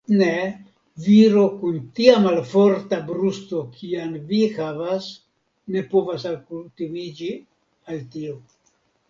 Ne; viro kun tia malforta brusto, kian vi havas, ne povas alkutimiĝi al tio.